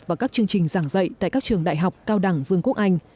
và các chương trình giảng dạy tại các trường đại học cao đẳng vương quốc anh